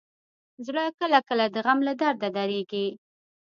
زړه کله کله د غم له درده ودریږي.